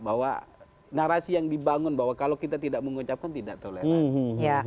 bahwa narasi yang dibangun bahwa kalau kita tidak mengucapkan tidak toleran